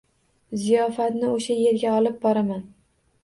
– Ziyofatni o‘sha yerga olib boraman